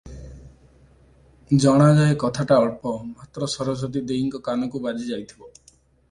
ଜଣାଯାଏ କଥାଟା ଅଳ୍ପ; ମାତ୍ର ସରସ୍ଵତୀ ଦେଈଙ୍କ କାନକୁ ବାଜି ଯାଇଥିବ ।